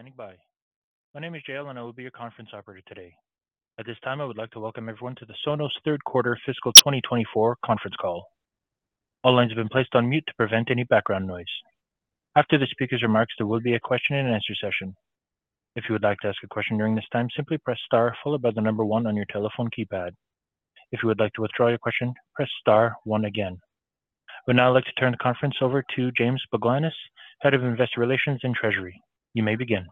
Thank you for standing by. My name is Jalen, and I will be your conference operator today. At this time, I would like to welcome everyone to the Sonos Third Quarter Fiscal 2024 conference call. All lines have been placed on mute to prevent any background noise. After the speaker's remarks, there will be a question-and-answer session. If you would like to ask a question during this time, simply press Star, followed by the number one on your telephone keypad. If you would like to withdraw your question, press Star, one again. I would now like to turn the conference over to James Baglanis, Head of Investor Relations and Treasury. You may begin.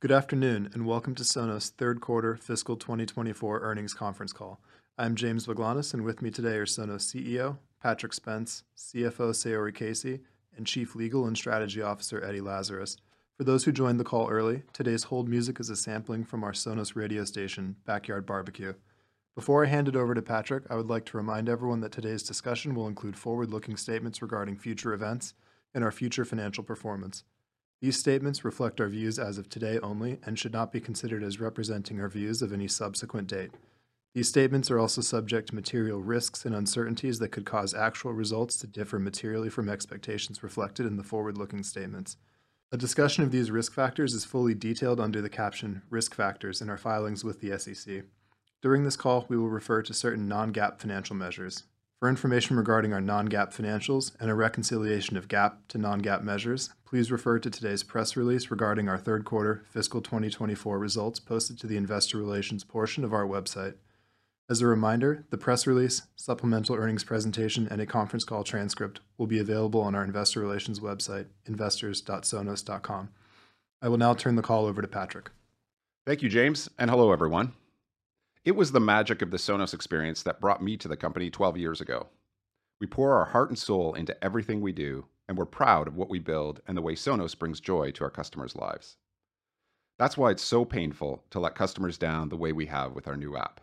Good afternoon, and welcome to Sonos Third Quarter Fiscal 2024 earnings conference call. I'm James Baglanis, and with me today are Sonos CEO Patrick Spence, CFO Saori Casey, and Chief Legal and Strategy Officer Eddie Lazarus. For those who joined the call early, today's hold music is a sampling from our Sonos radio station, Backyard Barbecue. Before I hand it over to Patrick, I would like to remind everyone that today's discussion will include forward-looking statements regarding future events and our future financial performance. These statements reflect our views as of today only and should not be considered as representing our views of any subsequent date. These statements are also subject to material risks and uncertainties that could cause actual results to differ materially from expectations reflected in the forward-looking statements. A discussion of these risk factors is fully detailed under the caption "Risk Factors" in our filings with the SEC. During this call, we will refer to certain non-GAAP financial measures. For information regarding our non-GAAP financials and a reconciliation of GAAP to non-GAAP measures, please refer to today's press release regarding our Third Quarter Fiscal 2024 results posted to the Investor Relations portion of our website. As a reminder, the press release, supplemental earnings presentation, and a conference call transcript will be available on our Investor Relations website, investors.sonos.com. I will now turn the call over to Patrick. Thank you, James, and hello everyone. It was the magic of the Sonos experience that brought me to the company 12 years ago. We pour our heart and soul into everything we do, and we're proud of what we build and the way Sonos brings joy to our customers' lives. That's why it's so painful to let customers down the way we have with our new app.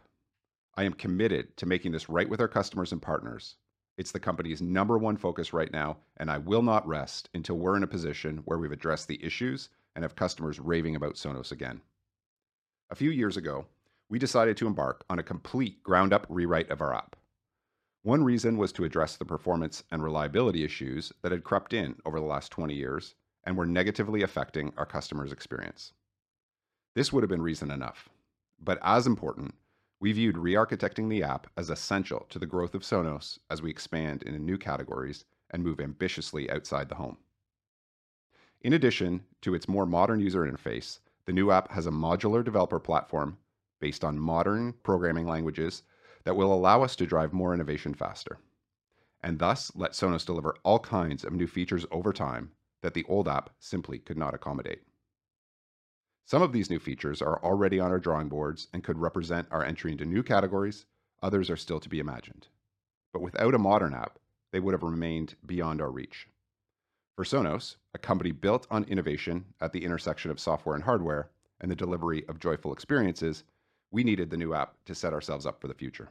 I am committed to making this right with our customers and partners. It's the company's number one focus right now, and I will not rest until we're in a position where we've addressed the issues and have customers raving about Sonos again. A few years ago, we decided to embark on a complete ground-up rewrite of our app. One reason was to address the performance and reliability issues that had crept in over the last 20 years and were negatively affecting our customers' experience. This would have been reason enough, but as important, we viewed re-architecting the app as essential to the growth of Sonos as we expand into new categories and move ambitiously outside the home. In addition to its more modern user interface, the new app has a modular developer platform based on modern programming languages that will allow us to drive more innovation faster and thus let Sonos deliver all kinds of new features over time that the old app simply could not accommodate. Some of these new features are already on our drawing boards and could represent our entry into new categories. Others are still to be imagined. But without a modern app, they would have remained beyond our reach. For Sonos, a company built on innovation at the intersection of software and hardware and the delivery of joyful experiences, we needed the new app to set ourselves up for the future.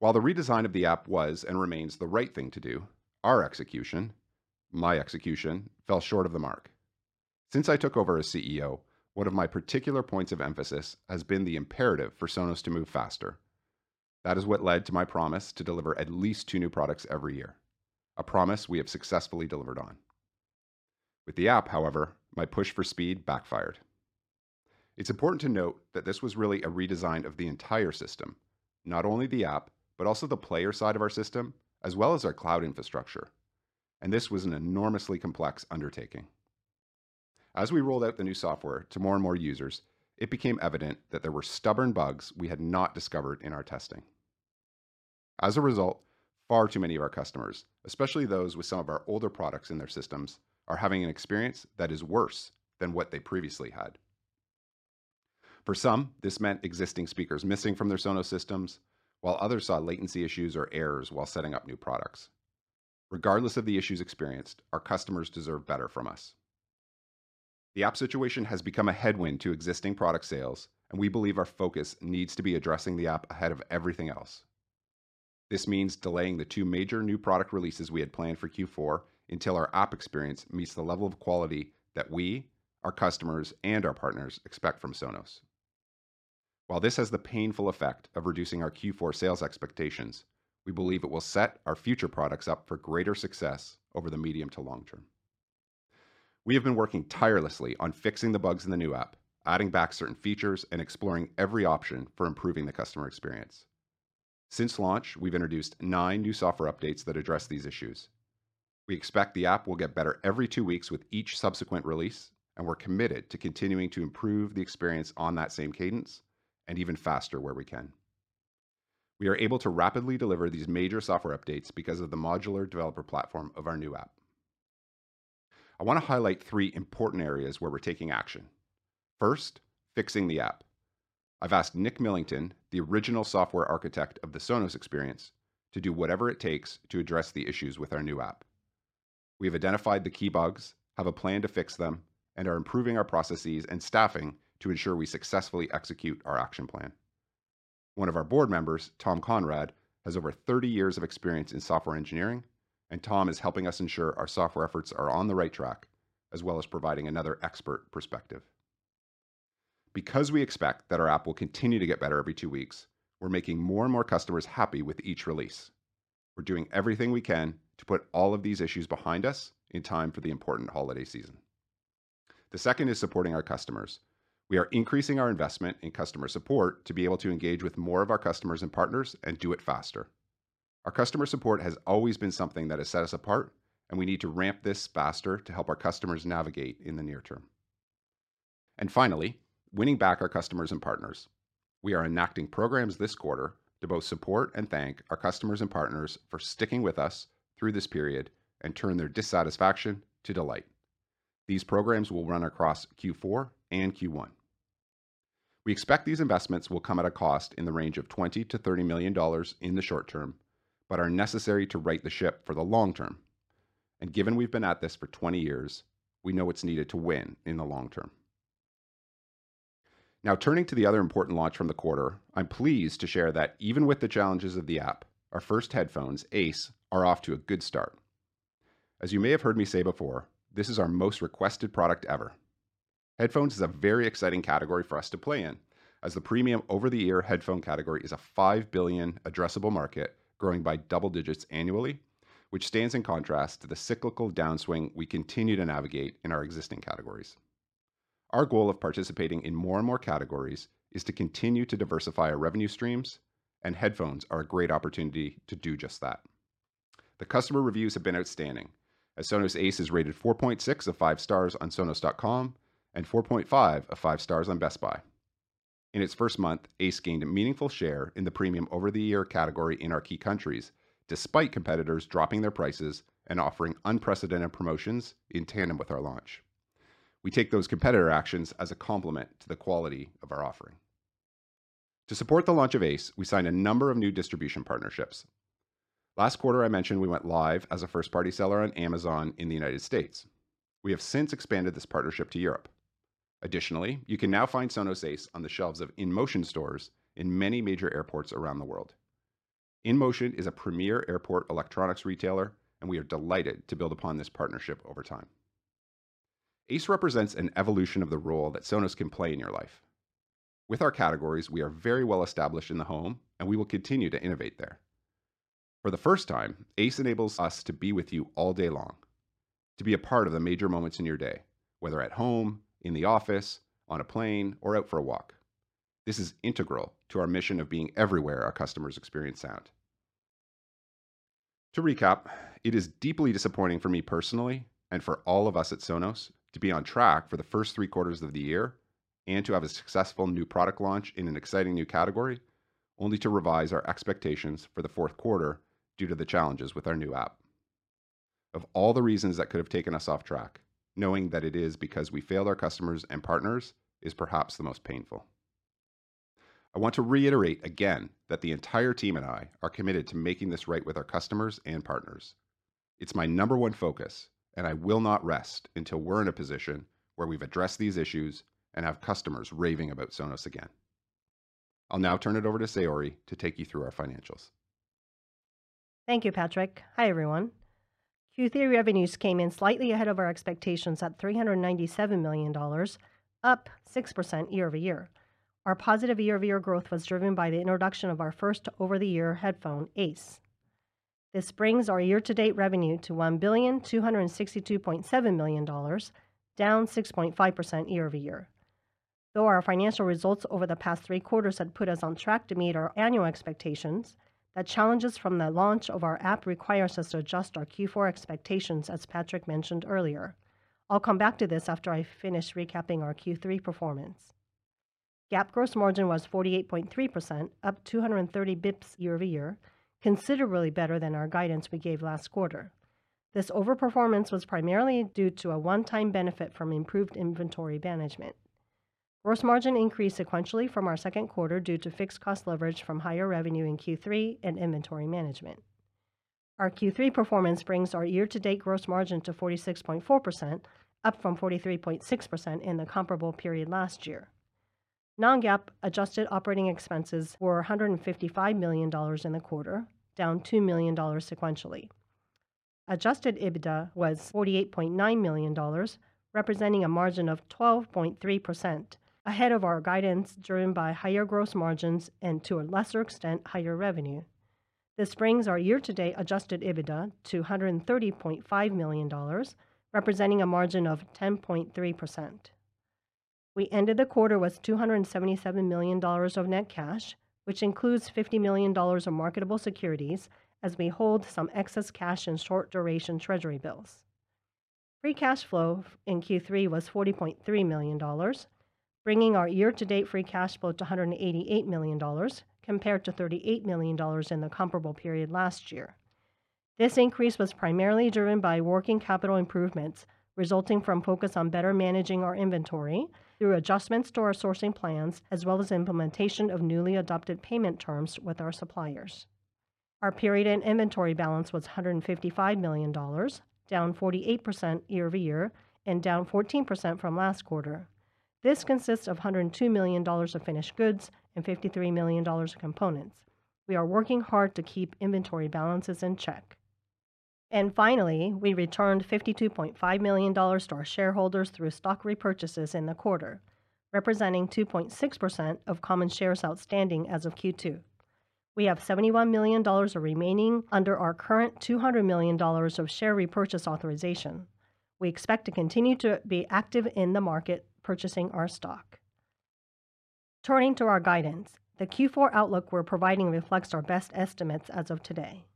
While the redesign of the app was and remains the right thing to do, our execution, my execution, fell short of the mark. Since I took over as CEO, one of my particular points of emphasis has been the imperative for Sonos to move faster. That is what led to my promise to deliver at least 2 new products every year, a promise we have successfully delivered on. With the app, however, my push for speed backfired. It's important to note that this was really a redesign of the entire system, not only the app, but also the player side of our system, as well as our cloud infrastructure. This was an enormously complex undertaking. As we rolled out the new software to more and more users, it became evident that there were stubborn bugs we had not discovered in our testing. As a result, far too many of our customers, especially those with some of our older products in their systems, are having an experience that is worse than what they previously had. For some, this meant existing speakers missing from their Sonos systems, while others saw latency issues or errors while setting up new products. Regardless of the issues experienced, our customers deserve better from us. The app situation has become a headwind to existing product sales, and we believe our focus needs to be addressing the app ahead of everything else. This means delaying the two major new product releases we had planned for Q4 until our app experience meets the level of quality that we, our customers, and our partners expect from Sonos. While this has the painful effect of reducing our Q4 sales expectations, we believe it will set our future products up for greater success over the medium to long term. We have been working tirelessly on fixing the bugs in the new app, adding back certain features, and exploring every option for improving the customer experience. Since launch, we've introduced nine new software updates that address these issues. We expect the app will get better every two weeks with each subsequent release, and we're committed to continuing to improve the experience on that same cadence and even faster where we can. We are able to rapidly deliver these major software updates because of the modular developer platform of our new app. I want to highlight three important areas where we're taking action. First, fixing the app. I've asked Nick Millington, the original software architect of the Sonos experience, to do whatever it takes to address the issues with our new app. We've identified the key bugs, have a plan to fix them, and are improving our processes and staffing to ensure we successfully execute our action plan. One of our board members, Tom Conrad, has over 30 years of experience in software engineering, and Tom is helping us ensure our software efforts are on the right track, as well as providing another expert perspective. Because we expect that our app will continue to get better every two weeks, we're making more and more customers happy with each release. We're doing everything we can to put all of these issues behind us in time for the important holiday season. The second is supporting our customers. We are increasing our investment in customer support to be able to engage with more of our customers and partners and do it faster. Our customer support has always been something that has set us apart, and we need to ramp this faster to help our customers navigate in the near term. And finally, winning back our customers and partners. We are enacting programs this quarter to both support and thank our customers and partners for sticking with us through this period and turn their dissatisfaction to delight. These programs will run across Q4 and Q1. We expect these investments will come at a cost in the range of $20 million-$30 million in the short term, but are necessary to right the ship for the long term. And given we've been at this for 20 years, we know it's needed to win in the long term. Now, turning to the other important launch from the quarter, I'm pleased to share that even with the challenges of the app, our first headphones, Ace, are off to a good start. As you may have heard me say before, this is our most requested product ever. Headphones is a very exciting category for us to play in, as the premium over-the-ear headphone category is a $5 billion addressable market growing by double digits annually, which stands in contrast to the cyclical downswing we continue to navigate in our existing categories. Our goal of participating in more and more categories is to continue to diversify our revenue streams, and headphones are a great opportunity to do just that. The customer reviews have been outstanding, as Sonos Ace is rated 4.6 of 5 stars on Sonos.com and 4.5 of 5 stars on Best Buy. In its first month, Ace gained a meaningful share in the premium over-the-ear category in our key countries, despite competitors dropping their prices and offering unprecedented promotions in tandem with our launch. We take those competitor actions as a complement to the quality of our offering. To support the launch of Ace, we signed a number of new distribution partnerships. Last quarter, I mentioned we went live as a first-party seller on Amazon in the United States. We have since expanded this partnership to Europe. Additionally, you can now find Sonos Ace on the shelves of InMotion stores in many major airports around the world. InMotion is a premier airport electronics retailer, and we are delighted to build upon this partnership over time. Ace represents an evolution of the role that Sonos can play in your life. With our categories, we are very well established in the home, and we will continue to innovate there. For the first time, Ace enables us to be with you all day long, to be a part of the major moments in your day, whether at home, in the office, on a plane, or out for a walk. This is integral to our mission of being everywhere our customers experience sound. To recap, it is deeply disappointing for me personally and for all of us at Sonos to be on track for the first three quarters of the year and to have a successful new product launch in an exciting new category, only to revise our expectations for the fourth quarter due to the challenges with our new app. Of all the reasons that could have taken us off track, knowing that it is because we failed our customers and partners is perhaps the most painful. I want to reiterate again that the entire team and I are committed to making this right with our customers and partners. It's my number one focus, and I will not rest until we're in a position where we've addressed these issues and have customers raving about Sonos again. I'll now turn it over to Saori to take you through our financials. Thank you, Patrick. Hi, everyone. Q3 revenues came in slightly ahead of our expectations at $397 million, up 6% year-over-year. Our positive year-over-year growth was driven by the introduction of our first over-the-ear headphone, Ace. This brings our year-to-date revenue to $1,262.7 million, down 6.5% year-over-year. Though our financial results over the past three quarters had put us on track to meet our annual expectations, the challenges from the launch of our app require us to adjust our Q4 expectations, as Patrick mentioned earlier. I'll come back to this after I finish recapping our Q3 performance. GAAP gross margin was 48.3%, up 230 basis points year-over-year, considerably better than our guidance we gave last quarter. This overperformance was primarily due to a one-time benefit from improved inventory management. Gross margin increased sequentially from our second quarter due to fixed cost leverage from higher revenue in Q3 and inventory management. Our Q3 performance brings our year-to-date gross margin to 46.4%, up from 43.6% in the comparable period last year. Non-GAAP adjusted operating expenses were $155 million in the quarter, down $2 million sequentially. Adjusted EBITDA was $48.9 million, representing a margin of 12.3%, ahead of our guidance driven by higher gross margins and, to a lesser extent, higher revenue. This brings our year-to-date adjusted EBITDA to $130.5 million, representing a margin of 10.3%. We ended the quarter with $277 million of net cash, which includes $50 million of marketable securities, as we hold some excess cash in short-duration Treasury bills. Free cash flow in Q3 was $40.3 million, bringing our year-to-date free cash flow to $188 million, compared to $38 million in the comparable period last year. This increase was primarily driven by working capital improvements resulting from focus on better managing our inventory through adjustments to our sourcing plans, as well as implementation of newly adopted payment terms with our suppliers. Our period-end inventory balance was $155 million, down 48% year-over-year, and down 14% from last quarter. This consists of $102 million of finished goods and $53 million of components. We are working hard to keep inventory balances in check. Finally, we returned $52.5 million to our shareholders through stock repurchases in the quarter, representing 2.6% of common shares outstanding as of Q2. We have $71 million remaining under our current $200 million of share repurchase authorization. We expect to continue to be active in the market purchasing our stock. Turning to our guidance, the Q4 outlook we're providing reflects our best estimates as of today.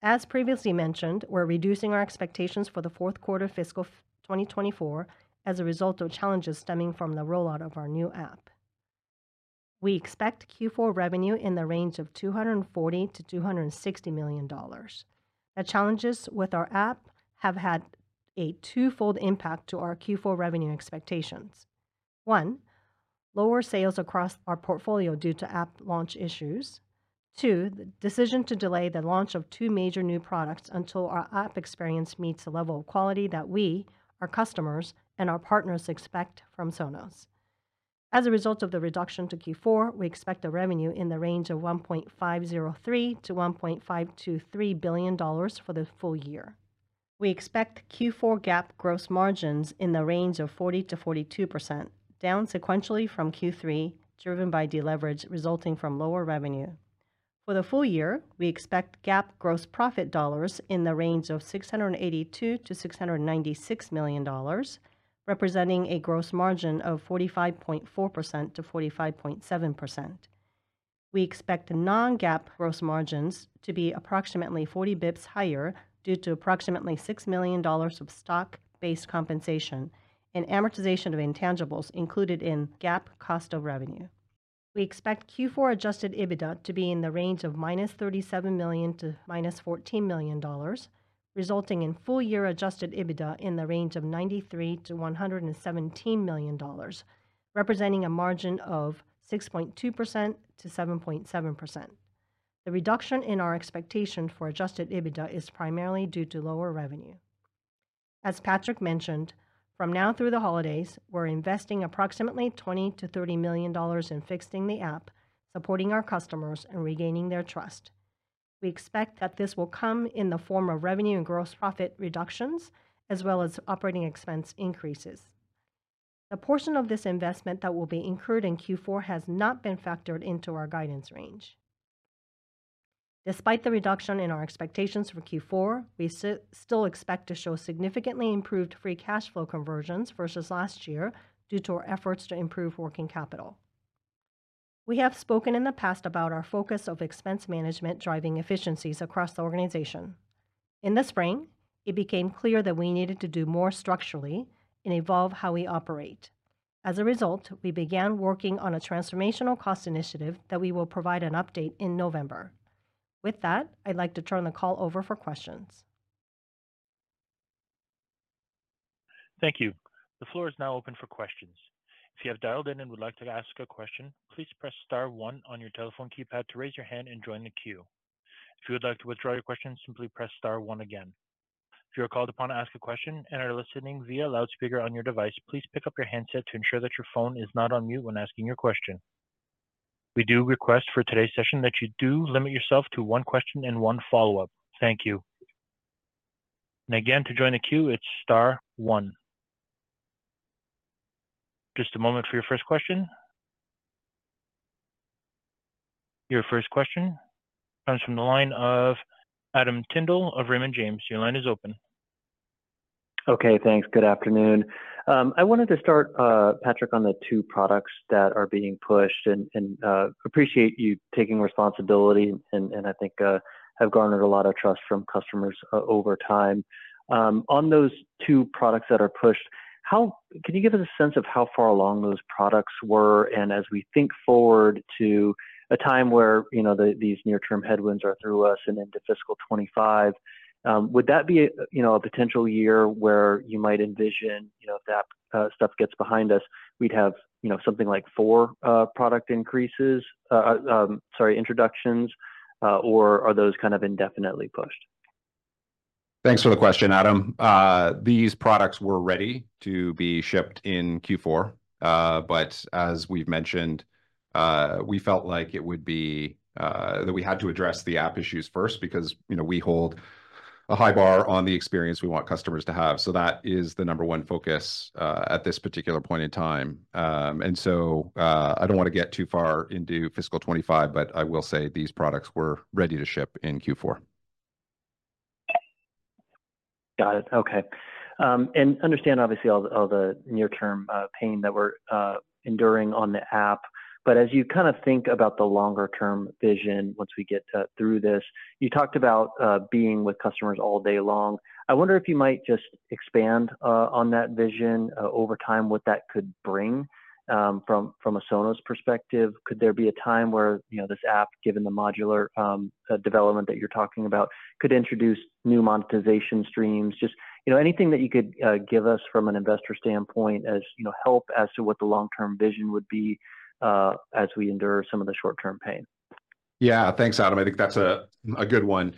As previously mentioned, we're reducing our expectations for the fourth quarter fiscal 2024 as a result of challenges stemming from the rollout of our new app. We expect Q4 revenue in the range of $240 million-$260 million. The challenges with our app have had a twofold impact on our Q4 revenue expectations. One, lower sales across our portfolio due to app launch issues. Two, the decision to delay the launch of two major new products until our app experience meets the level of quality that we, our customers, and our partners expect from Sonos. As a result of the reduction to Q4, we expect the revenue in the range of $1.503 billion-$1.523 billion for the full year. We expect Q4 GAAP gross margins in the range of 40%-42%, down sequentially from Q3, driven by deleverage resulting from lower revenue. For the full year, we expect GAAP gross profit dollars in the range of $682 million-$696 million, representing a gross margin of 45.4%-45.7%. We expect non-GAAP gross margins to be approximately 40 basis points higher due to approximately $6 million of stock-based compensation and amortization of intangibles included in GAAP cost of revenue. We expect Q4 adjusted EBITDA to be in the range of $37 million-$14 million, resulting in full-year adjusted EBITDA in the range of $93 million-$117 million, representing a margin of 6.2%-7.7%. The reduction in our expectation for adjusted EBITDA is primarily due to lower revenue. As Patrick mentioned, from now through the holidays, we're investing approximately $20 million-$30 million in fixing the app, supporting our customers, and regaining their trust. We expect that this will come in the form of revenue and gross profit reductions, as well as operating expense increases. The portion of this investment that will be incurred in Q4 has not been factored into our guidance range. Despite the reduction in our expectations for Q4, we still expect to show significantly improved free cash flow conversions versus last year due to our efforts to improve working capital. We have spoken in the past about our focus on expense management driving efficiencies across the organization. In the spring, it became clear that we needed to do more structurally and evolve how we operate. As a result, we began working on a transformational cost initiative that we will provide an update in November. With that, I'd like to turn the call over for questions. Thank you. The floor is now open for questions. If you have dialed in and would like to ask a question, please press star one on your telephone keypad to raise your hand and join the queue. If you would like to withdraw your question, simply press star one again. If you are called upon to ask a question and are listening via loudspeaker on your device, please pick up your handset to ensure that your phone is not on mute when asking your question. We do request for today's session that you do limit yourself to one question and one follow-up. Thank you. And again, to join the queue, it's star one. Just a moment for your first question. Your first question comes from the line of Adam Tindle of Raymond James. Your line is open. Okay, thanks. Good afternoon. I wanted to start, Patrick, on the two products that are being pushed and appreciate you taking responsibility and I think have garnered a lot of trust from customers over time. On those two products that are pushed, can you give us a sense of how far along those products were? And as we think forward to a time where these near-term headwinds are through us and into fiscal 2025, would that be a potential year where you might envision if that stuff gets behind us, we'd have something like four product increases, sorry, introductions, or are those kind of indefinitely pushed? Thanks for the question, Adam. These products were ready to be shipped in Q4, but as we've mentioned, we felt like it would be that we had to address the app issues first because we hold a high bar on the experience we want customers to have. So that is the number one focus at this particular point in time. And so I don't want to get too far into fiscal 2025, but I will say these products were ready to ship in Q4. Got it. Okay. I understand, obviously, all the near-term pain that we're enduring on the app. But as you kind of think about the longer-term vision once we get through this, you talked about being with customers all day long. I wonder if you might just expand on that vision over time, what that could bring from a Sonos perspective. Could there be a time where this app, given the modular development that you're talking about, could introduce new monetization streams? Just anything that you could give us from an investor standpoint to help us as to what the long-term vision would be as we endure some of the short-term pain? Yeah, thanks, Adam. I think that's a good one.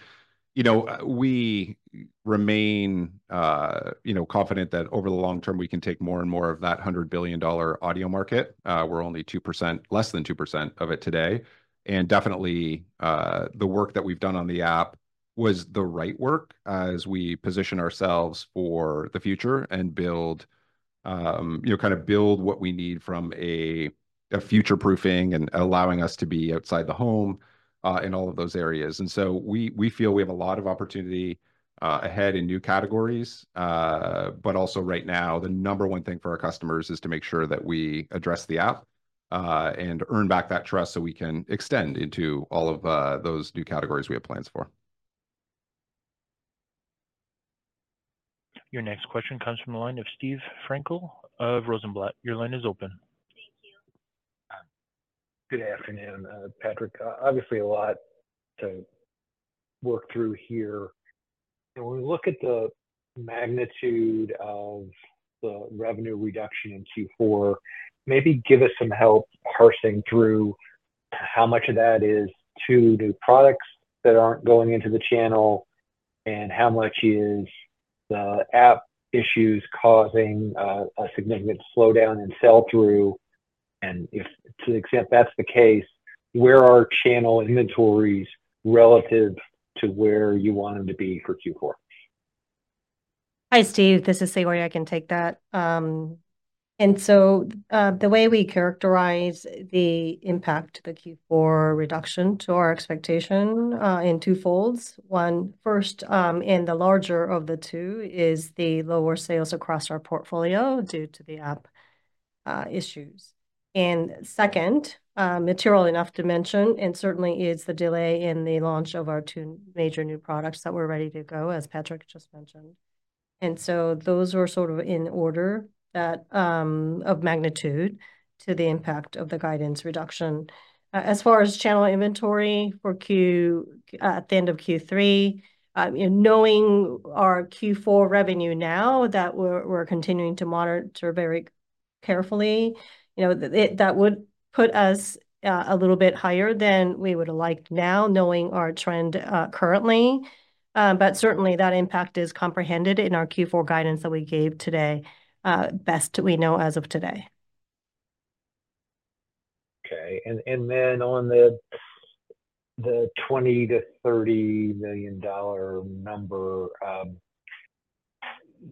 We remain confident that over the long term, we can take more and more of that $100 billion audio market. We're only less than 2% of it today. And definitely, the work that we've done on the app was the right work as we position ourselves for the future and kind of build what we need from a future-proofing and allowing us to be outside the home in all of those areas. And so we feel we have a lot of opportunity ahead in new categories. But also right now, the number one thing for our customers is to make sure that we address the app and earn back that trust so we can extend into all of those new categories we have plans for. Your next question comes from the line of Steve Frankel of Rosenblatt. Your line is open. Thank you. Good afternoon, Patrick. Obviously, a lot to work through here. When we look at the magnitude of the revenue reduction in Q4, maybe give us some help parsing through how much of that is to new products that aren't going into the channel and how much is the app issues causing a significant slowdown in sell-through. And if to the extent that's the case, where are channel inventories relative to where you want them to be for Q4? Hi, Steve. This is Saori. I can take that. And so the way we characterize the impact of the Q4 reduction to our expectation in two folds. One, first, and the larger of the two is the lower sales across our portfolio due to the app issues. And second, material enough to mention, and certainly is the delay in the launch of our two major new products that we're ready to go, as Patrick just mentioned. And so those were sort of in order of magnitude to the impact of the guidance reduction. As far as channel inventory at the end of Q3, knowing our Q4 revenue now that we're continuing to monitor very carefully, that would put us a little bit higher than we would have liked now, knowing our trend currently. Certainly, that impact is comprehended in our Q4 guidance that we gave today, best we know as of today. Okay. And then on the $20 million-$30 million number,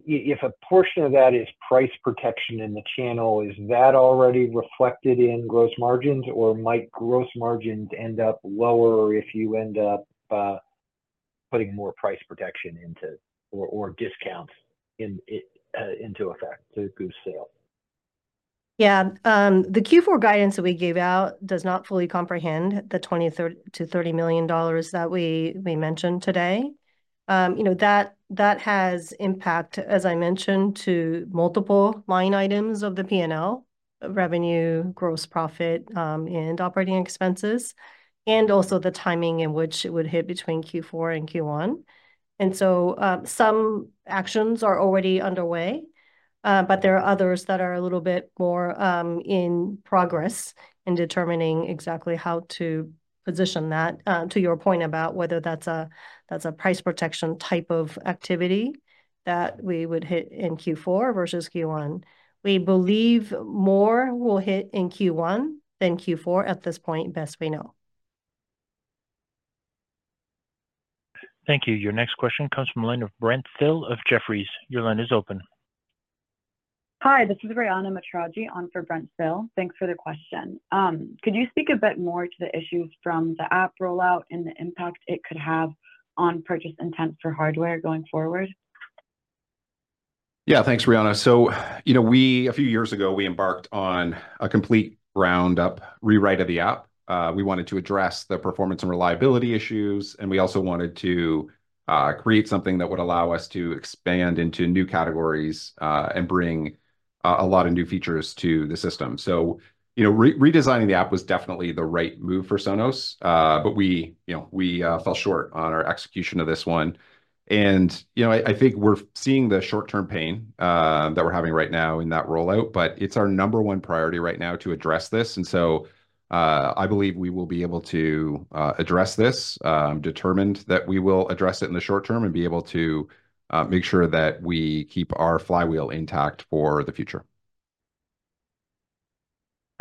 if a portion of that is price protection in the channel, is that already reflected in gross margins, or might gross margins end up lower if you end up putting more price protection into or discounts into effect to boost sales? Yeah. The Q4 guidance that we gave out does not fully comprehend the $20 million-$30 million that we mentioned today. That has impact, as I mentioned, to multiple line items of the P&L, revenue, gross profit, and operating expenses, and also the timing in which it would hit between Q4 and Q1. And so some actions are already underway, but there are others that are a little bit more in progress in determining exactly how to position that. To your point about whether that's a price protection type of activity that we would hit in Q4 versus Q1, we believe more will hit in Q1 than Q4 at this point, best we know. Thank you. Your next question comes from the line of Brent Thill of Jefferies. Your line is open. Hi, this is Rayyana Matraji on for Brent Thill. Thanks for the question. Could you speak a bit more to the issues from the app rollout and the impact it could have on purchase intent for hardware going forward? Yeah, thanks, Rayyana. So a few years ago, we embarked on a complete ground-up rewrite of the app. We wanted to address the performance and reliability issues, and we also wanted to create something that would allow us to expand into new categories and bring a lot of new features to the system. So redesigning the app was definitely the right move for Sonos, but we fell short on our execution of this one. And I think we're seeing the short-term pain that we're having right now in that rollout, but it's our number one priority right now to address this. And so I believe we will be able to address this, determined that we will address it in the short term and be able to make sure that we keep our flywheel intact for the future.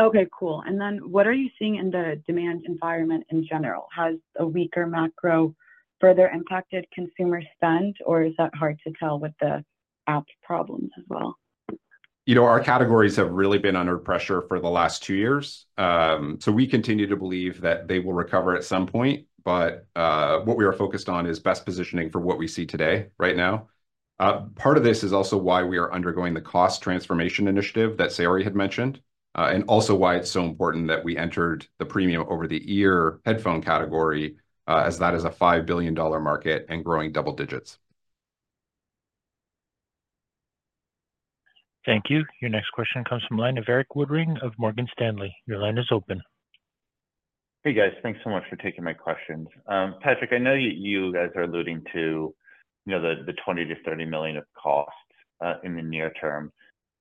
Okay, cool. And then what are you seeing in the demand environment in general? Has a weaker macro further impacted consumer spend, or is that hard to tell with the app problems as well? Our categories have really been under pressure for the last two years. So we continue to believe that they will recover at some point, but what we are focused on is best positioning for what we see today right now. Part of this is also why we are undergoing the cost transformation initiative that Saori had mentioned, and also why it's so important that we entered the premium over-the-ear headphone category, as that is a $5 billion market and growing double digits. Thank you. Your next question comes from the line of Erik Woodring of Morgan Stanley. Your line is open. Hey, guys. Thanks so much for taking my questions. Patrick, I know that you guys are alluding to the $20 million-$30 million of costs in the near term.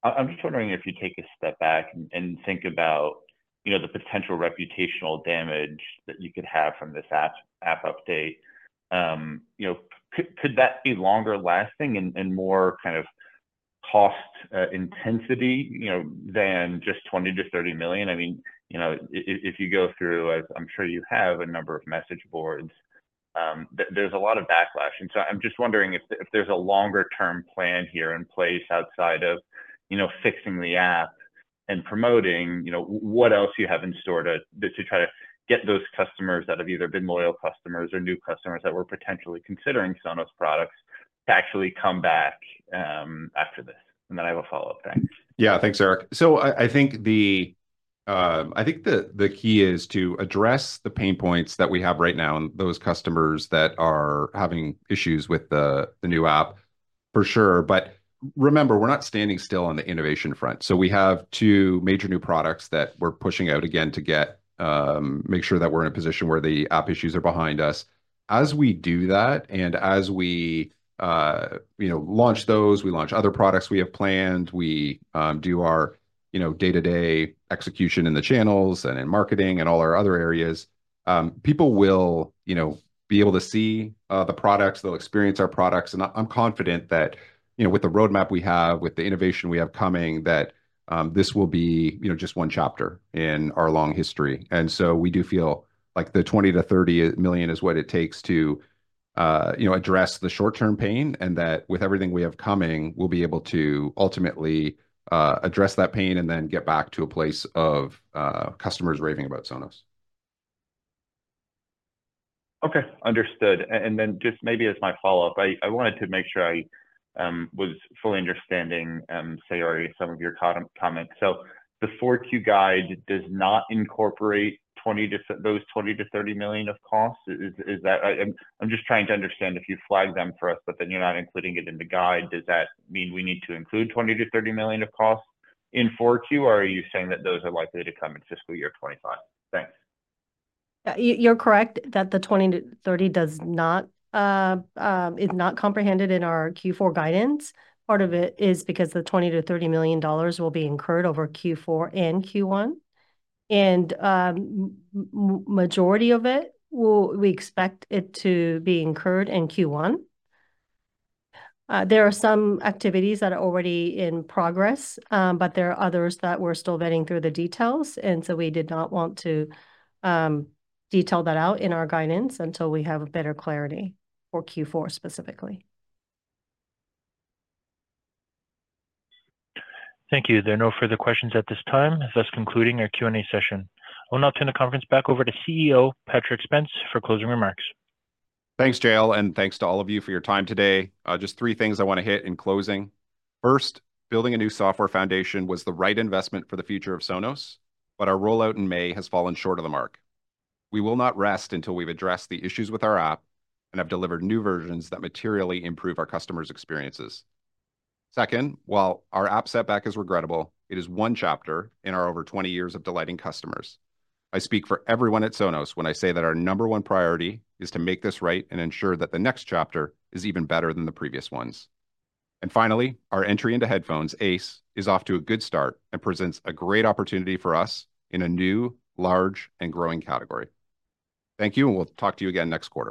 I'm just wondering if you take a step back and think about the potential reputational damage that you could have from this app update. Could that be longer lasting and more kind of cost intensity than just $20 million-$30 million? I mean, if you go through, I'm sure you have a number of message boards, there's a lot of backlash. And so I'm just wondering if there's a longer-term plan here in place outside of fixing the app and promoting what else you have in store to try to get those customers that have either been loyal customers or new customers that were potentially considering Sonos products to actually come back after this. And then I have a follow-up. Thanks. Yeah, thanks, Erik. So I think the key is to address the pain points that we have right now and those customers that are having issues with the new app, for sure. But remember, we're not standing still on the innovation front. So we have two major new products that we're pushing out again to make sure that we're in a position where the app issues are behind us. As we do that and as we launch those, we launch other products we have planned, we do our day-to-day execution in the channels and in marketing and all our other areas, people will be able to see the products. They'll experience our products. And I'm confident that with the roadmap we have, with the innovation we have coming, that this will be just one chapter in our long history. We do feel like the $20 million-$30 million is what it takes to address the short-term pain and that with everything we have coming, we'll be able to ultimately address that pain and then get back to a place of customers raving about Sonos. Okay, understood. Then just maybe as my follow-up, I wanted to make sure I was fully understanding Saori and some of your comments. So the 4Q guide does not incorporate those $20 million-$30 million of costs. I'm just trying to understand if you flag them for us, but then you're not including it in the guide. Does that mean we need to include $20 million-$30 million of costs in 4Q, or are you saying that those are likely to come in fiscal year 2025? Thanks. You're correct that the $20 million-$30 million is not comprehended in our Q4 guidance. Part of it is because the $20 million-$30 million will be incurred over Q4 and Q1. The majority of it, we expect it to be incurred in Q1. There are some activities that are already in progress, but there are others that we're still vetting through the details. So we did not want to detail that out in our guidance until we have better clarity for Q4 specifically. Thank you. There are no further questions at this time. This is concluding our Q&A session. I'll now turn the conference back over to CEO Patrick Spence for closing remarks. Thanks, Jalen. And thanks to all of you for your time today. Just three things I want to hit in closing. First, building a new software foundation was the right investment for the future of Sonos, but our rollout in May has fallen short of the mark. We will not rest until we've addressed the issues with our app and have delivered new versions that materially improve our customers' experiences. Second, while our app setback is regrettable, it is one chapter in our over 20 years of delighting customers. I speak for everyone at Sonos when I say that our number one priority is to make this right and ensure that the next chapter is even better than the previous ones. And finally, our entry into headphones, Ace, is off to a good start and presents a great opportunity for us in a new, large, and growing category. Thank you, and we'll talk to you again next quarter.